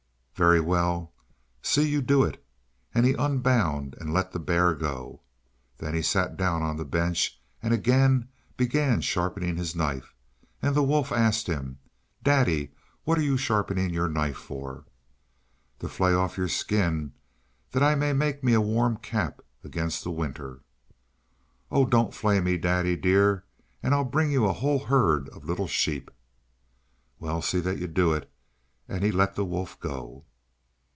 "Very well, see you do it," and he unbound and let the bear go. Then he sat down on the bench and again began sharpening his knife. And the wolf asked him: "Daddy, what are you sharpening your knife for?" "To flay off your skin, that I may make me a warm cap against the winter." "Oh! Don't flay me, daddy dear, and I'll bring you a whole herd of little sheep." "Well, see that you do it," and he let the wolf go.